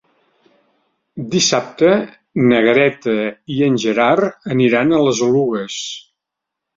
Dissabte na Greta i en Gerard aniran a les Oluges.